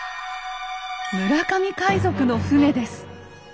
村上海賊の船です。